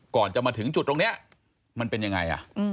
ก่อนจะมาถึงจุดตรงนี้มันเป็นยังไง